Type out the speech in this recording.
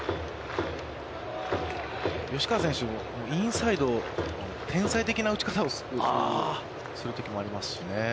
吉川選手、インサイド、天才的な打ち方をするときもありますしね。